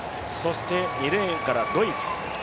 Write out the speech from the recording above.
２レーンからドイツ。